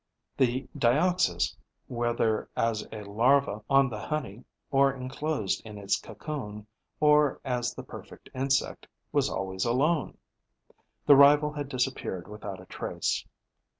The Dioxys, whether as a larva on the honey, or enclosed in its cocoon, or as the perfect insect, was always alone. The rival had disappeared without a trace.